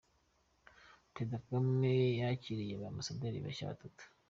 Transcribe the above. Perezida Kagame yakiriye ba Ambasaderi bashya batatu